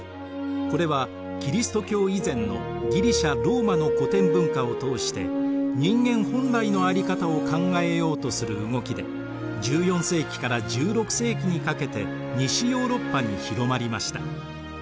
これはキリスト教以前のギリシア・ローマの古典文化を通して人間本来のあり方を考えようとする動きで１４世紀から１６世紀にかけて西ヨーロッパに広まりました。